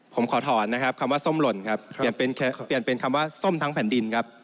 ผมขอถอนนะครับคำว่าส้มหล่นครับเปลี่ยนเป็นคำว่าส้มทั้งแผ่นดินครับ